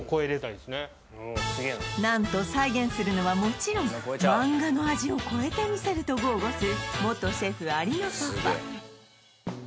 なんと再現するのはもちろんマンガの味を超えてみせると豪語する元シェフ有野パパ